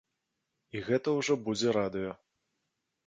І гэта ўжо будзе радыё.